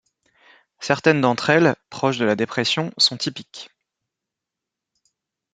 Certaines d'entre elles, proches de la dépression, sont typiques.